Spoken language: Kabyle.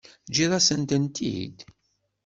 Teǧǧiḍ-asen-tent-id?